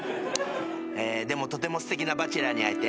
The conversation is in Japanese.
えでもとてもすてきなバチェラーに会えて